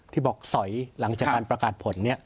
ที่บอกสอยหลังจากการประกาศผลเนี่ย